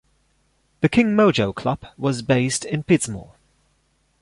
The King Mojo Club was based in Pitsmoor.